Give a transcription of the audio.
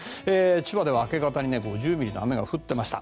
千葉では明け方に５０ミリの雨が降ってました。